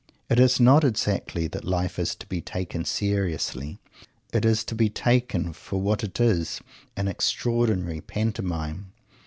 It is not exactly that life is to be "taken seriously." It is to be taken for what it is an extraordinary Pantomime.